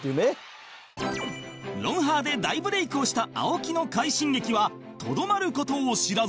『ロンハー』で大ブレイクをした青木の快進撃はとどまる事を知らず